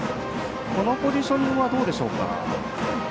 このポジショニングはどうでしょうか。